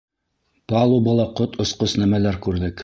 Палубала ҡот осҡос нәмәләр күрҙек.